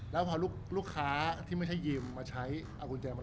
แล้วพอลูกค้าที่ไม่ใช่ยืมมาใช้เอากุญแจมา